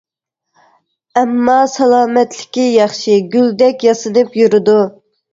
ئەمما سالامەتلىكى ياخشى، گۈلدەك ياسىنىپ يۈرىدۇ.